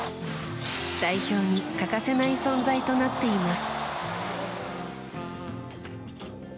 代表に欠かせない存在となっています。